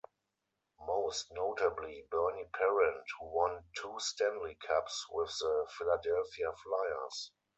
Most notably Bernie Parent, who won two Stanley Cups with the Philadelphia flyers.